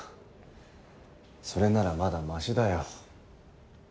それならまだマシだよ。